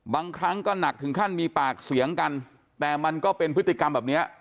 บางครั้งก็หนักถึงขั้นมีปากเสียงกันแต่มันก็เป็นพฤติกรรมแบบเนี้ย